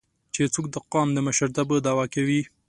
چې څوک د قام د مشرتابه دعوه کوي